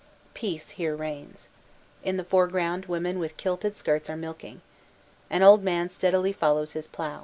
Peace here reigns. In the foreground women with kilted skirts are milking. An old man steadily follows his plow.